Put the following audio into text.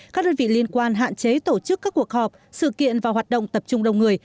các đơn vị liên quan hạn chế tổ chức các cuộc họp sự kiện và hoạt động tập trung đông người